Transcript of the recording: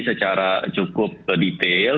secara cukup detail